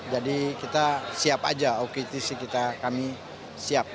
jadi kita siap aja equity sih kita kami siap